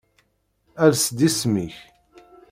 Ales-d isem-ik.